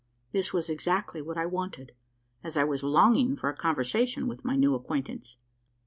This was exactly what I wanted: as I was longing for a conversation with my new acquaintance.